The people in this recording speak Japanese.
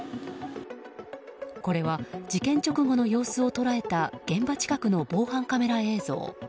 これは、事件直後の様子を捉えた現場近くの防犯カメラ映像。